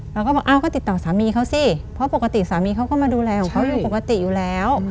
เราก็บอกอ้าวก็ติดต่อสามีเขาสิเพราะปกติสามีเขาก็มาดูแลของเขาอยู่ปกติอยู่แล้ว